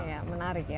ya menarik ya